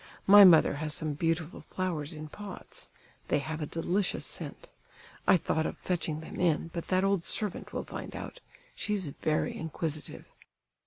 My mother has some beautiful flowers in pots; they have a delicious scent; I thought of fetching them in, but that old servant will find out, she's very inquisitive."